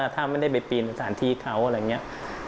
ถ้าไม่ได้ไปปีนสถานที่เขาอะไรอย่างนี้